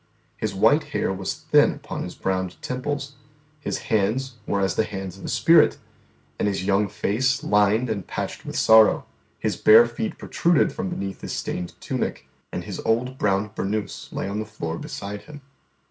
His white hair was thin upon His browned temples, His hands were as the hands of a spirit, and His young face lined and patched with sorrow. His bare feet protruded from beneath His stained tunic, and His old brown burnous lay on the floor beside Him....